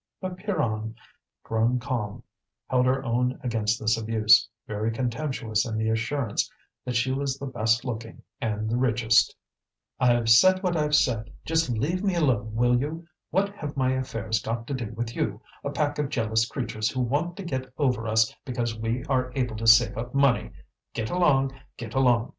But Pierronne, grown calm, held her own against this abuse, very contemptuous in the assurance that she was the best looking and the richest. "I've said what I've said; just leave me alone, will you! What have my affairs got to do with you, a pack of jealous creatures who want to get over us because we are able to save up money! Get along! get along!